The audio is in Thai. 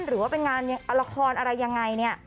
หรือว่าเป็นงานละครอะไรยังไงเนี่ย